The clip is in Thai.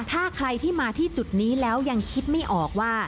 ถ้าใครที่มาที่จุดนี้แล้วยังคิดไม่ออกว่า